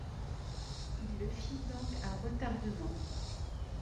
Il le fit donc à retardement.